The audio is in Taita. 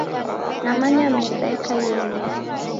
Namany meza yeka ielie.